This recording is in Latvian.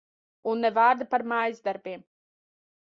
Un ne vārda par mājasdarbiem.